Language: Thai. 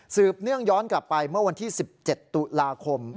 เนื่องย้อนกลับไปเมื่อวันที่๑๗ตุลาคม